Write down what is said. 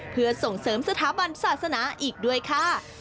เพื่อส่งเสริมสถาบันศาสนาอีกด้วยค่ะ